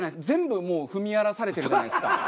全部もう踏み荒らされてるじゃないですか。